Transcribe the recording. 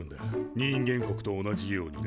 人間国と同じようにな。